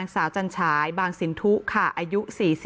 สาวจันทรายบางสินทุค่ะอายุ๔๗